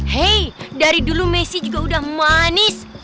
hei dari dulu messi juga udah manis